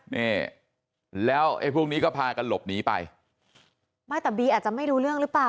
นี่แล้วไอ้พวกนี้ก็พากันหลบหนีไปไม่แต่บีอาจจะไม่รู้เรื่องหรือเปล่า